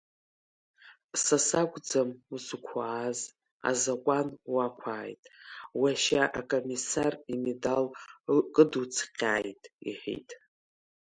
Са сакәӡам узықәааз, азакәан уақәааит, уашьа акомиссар имедал кыдуцҟьааит, — иҳәеит.